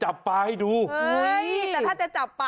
เฮ้ยเรื่องจริงอ่ะ